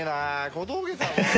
小峠さんは。